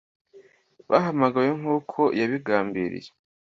bahamagawe nk’uko yabigambiriye